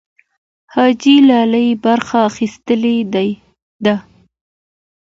حاجي لالي برخه اخیستې ده.